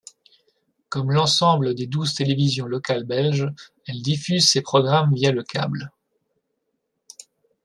Comme l’ensemble des douze télévisions locales belges, elle diffuse ses programmes via le câble.